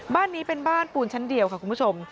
บ้านนี้เป็นบ้านปูนชั้นเดียวค่ะคุณผู้ชม